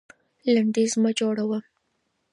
لنډيز مه جوړوه.